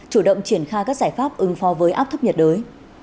chủ động triển khai các giải pháp ứng phó với áp thấp nhiệt đới